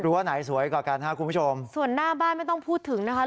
ว่าไหนสวยกว่ากันฮะคุณผู้ชมส่วนหน้าบ้านไม่ต้องพูดถึงนะคะ